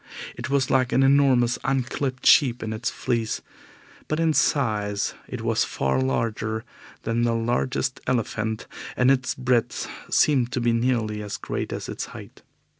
It was like an enormous unclipped sheep in its fleece, but in size it was far larger than the largest elephant, and its breadth seemed to be nearly as great as its height.